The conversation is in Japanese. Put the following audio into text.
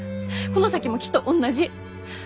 この先もきっと同じ。